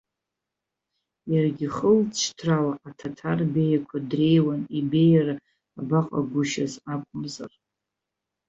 Иаргьы хылҵшьҭрала аҭаҭар беиақәа дреиуан, ибеиара абаҟагәышьаз акәымзар.